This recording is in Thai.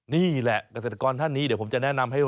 นี่แหละเกษตรกรท่านนี้เดี๋ยวผมจะแนะนำให้